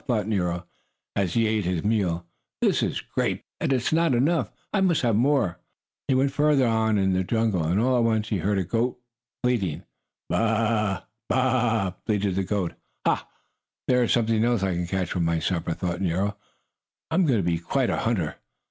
thought Nero, as he ate his meal. "This is great! But it is not enough. I must have more!" He went farther on in the jungle, and, all at once, he heard a goat bleating. "Baa a a a! Baa!" bleated the goat. "Ha! There is something else I can catch for my supper!" thought Nero. "I am getting to be quite a hunter!"